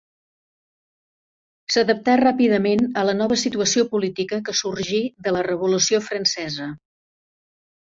S'adaptà ràpidament a la nova situació política que sorgí de la Revolució Francesa.